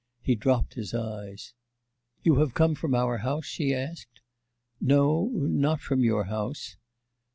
He dropped his eyes. 'You have come from our house?' she asked. 'No... not from your house.